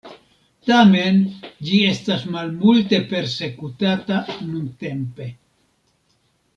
Tamen ĝi estas malmulte persekutata nuntempe.